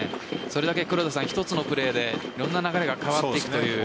それだけ、一つのプレーでいろんな流れ変わっていくという。